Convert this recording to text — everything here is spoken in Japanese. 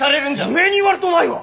お前に言われとうないわ！